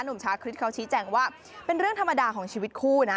ชาคริสเขาชี้แจงว่าเป็นเรื่องธรรมดาของชีวิตคู่นะ